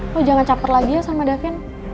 lo jangan capet lagi ya sama davin